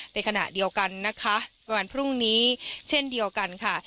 ในขณะเดียวกันนะคะวันพรุ่งนี้เช่นเดียวกันค่ะ